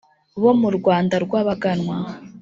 bo mu rwanda rw’abaganwa